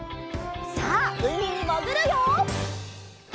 さあうみにもぐるよ！